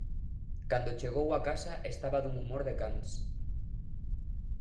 Cando chegou á casa estaba dun humor de cans.